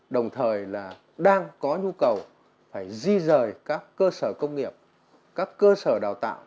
đồng thời là đang có nhu cầu phải di rời các cơ sở công nghiệp các cơ sở đào tạo